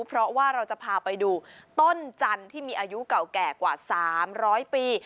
เพราะว่าเราจะพาไปดูต้นจันทร์ที่มีอายุเก่าแก่กว่า๓๐๐ปี